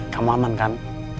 kamu aman kan